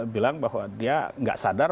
bilang bahwa dia nggak sadar